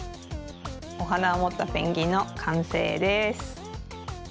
おはなをもったペンギンのかんせいです。